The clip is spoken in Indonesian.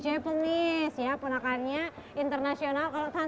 jadi mas raspberry waktu itu ng corpora q